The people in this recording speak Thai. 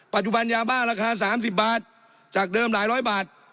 ปัจจุบันยาบ้าราคา๓๐บาทจากเดิมหลายร้อยบาท